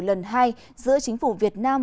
lần hai giữa chính phủ việt nam